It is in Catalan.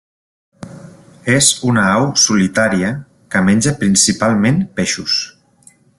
És una au solitària que menja principalment peixos.